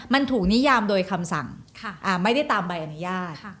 มันถูกนิยามโดยคำสั่งไม่ได้ตามใบอนุญาต